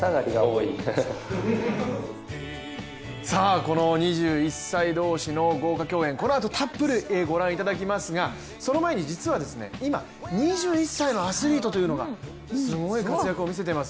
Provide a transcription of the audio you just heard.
この２１歳同士の豪華共演、このあとたっぷりご覧いただきますがその前に、実は今、２１歳のアスリートというのがすごい活躍を見せてます。